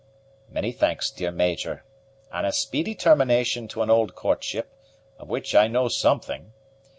"Many thanks, dear Major; and a speedy termination to an old courtship, of which I know something.